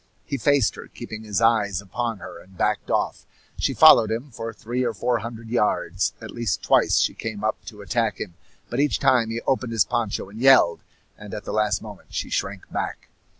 He faced her, keeping his eyes upon her, and backed off. She followed him for three or four hundred yards. At least twice she came up to attack him, but each time he opened his poncho and yelled, and at the last moment she shrank back.